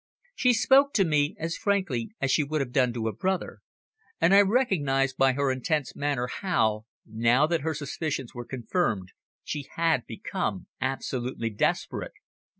She spoke to me as frankly as she would have done to a brother, and I recognised by her intense manner how, now that her suspicions were confirmed, she had become absolutely desperate.